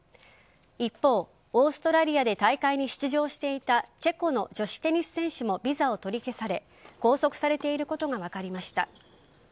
一方オーストラリアで大会に出場していたチェコの女子テニス選手もビザを取り消され拘束されていることが分かりました。